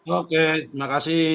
oke terima kasih